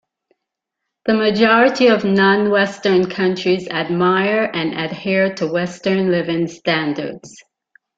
The majority of non-Western countries admire and adhere to Western living standards.